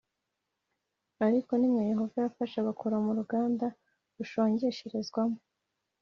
Ariko ni mwe Yehova yafashe abakura mu ruganda rushongesherezwamo